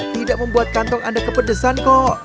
tidak membuat kantong anda kepedesan kok